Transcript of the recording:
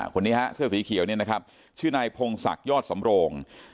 คนนี้ฮะเสื้อสีเขียวเนี่ยนะครับชื่อนายพงศักดิ์ยอดสำโรง